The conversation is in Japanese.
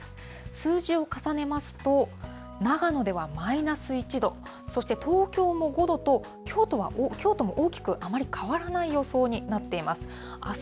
数字を重ねますと、長野ではマイナス１度、そして東京も５度と、きょうとは大きくあまり変わらない予想になっています。